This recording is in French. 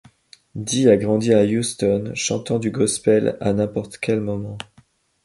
Di a grandi à Houston chantant du gospel à n'importe quel moment.